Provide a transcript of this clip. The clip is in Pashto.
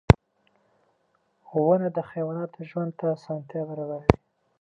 • ونه د حیواناتو ژوند ته اسانتیا برابروي.